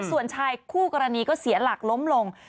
ส่วนชายคู่กรณีก็เสียหลักล้มลง